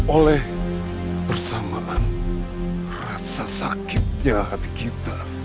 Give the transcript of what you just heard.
oleh persamaan rasa sakitnya hati kita